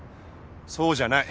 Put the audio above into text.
そうじゃない。